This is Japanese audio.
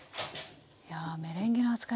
いやメレンゲの扱い